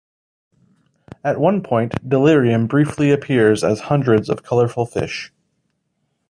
At one point Delirium briefly appears as hundreds of colorful fish.